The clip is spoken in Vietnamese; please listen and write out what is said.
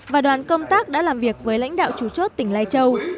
và đoàn công tác đã làm việc với lãnh đạo chủ chốt tỉnh lai châu